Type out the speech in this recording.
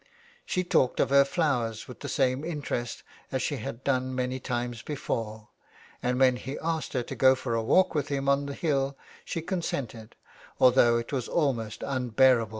She talked of her flowers with the same interest as she had done many times before, and when he asked her to go for a walk with him on the hill she consented, although it was almost unbearable 366 THK WILD GOOSL.